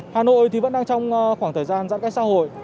hà nội thì vẫn đang trong khoảng thời gian giãn cách xã hội